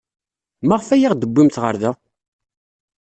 Maɣef ay aɣ-d-tewwimt ɣer da?